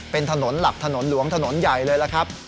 เป็นถนนหลักถนนหลวงถนนใหญ่เลยล่ะครับ